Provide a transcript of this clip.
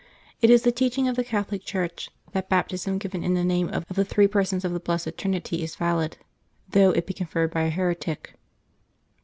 It is the teaching of the Catholic Church, that Baptism given in the name of the three persons of the Blessed Trinity is valid, though it be conferred by a heretic.